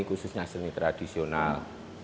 khususnya seni tradisional